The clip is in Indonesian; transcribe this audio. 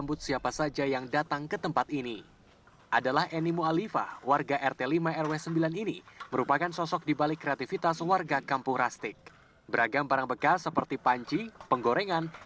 bu ide awal terbentuknya kampung krastik ini seperti apa